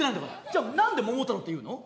じゃあ何で桃太郎っていうの？